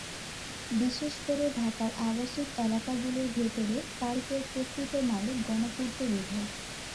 বিশেষ করে ঢাকার আবাসিক এলাকাগুলোর ভেতরে পার্কের প্রকৃত মালিক গণপূর্ত বিভাগ।